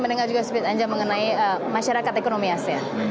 masa kingeng moving bank ini sudah diangga mengenai masyarakat ekonomi asia